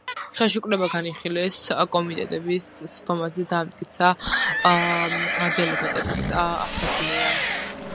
ხელშეკრულება განიხილეს კომიტეტების სხდომაზე და დაამტკიცა დელეგატების ასამბლეამ.